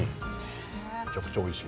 めちゃくちゃおいしい。